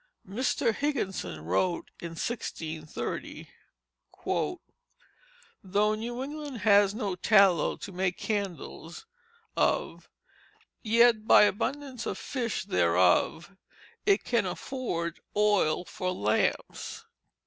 Mr. Higginson wrote in 1630: "Though New England has no tallow to make candles of, yet by abundance of fish thereof it can afford oil for lamps."